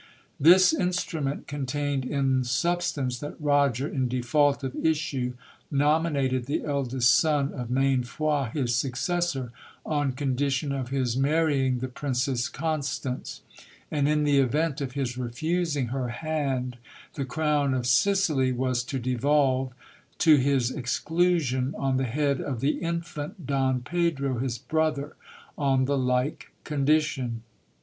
This instrument contained in substance that Roger, in default of issue, nominated the eldest son of Mainfroi his successor, on condition of his marrying the Princess Constance ; and in the event of his refusing her hand, the crown of Sicily was to devolve, to his exclusion, on the head of the infant Don Pedro, his brother, on the like condition.